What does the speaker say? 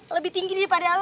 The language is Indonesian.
lebih tinggi daripada lu